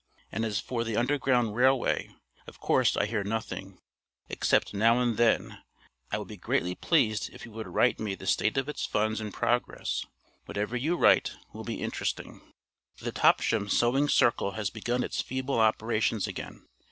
And as for the Underground Railway, of course, I hear nothing, except now and then, I would be greatly pleased if you would write me the state of its funds and progress. Whatever you write will be interesting. The Topsham Sewing Circle has begun its feeble operations again.